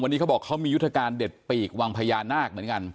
วันนี้เขาบอกเขามียุทธการเด็ดปีกวังพญานาคเหมือนกัน